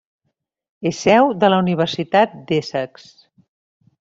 És seu de la Universitat d'Essex.